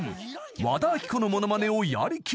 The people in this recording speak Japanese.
和田アキ子のモノマネをやり切り］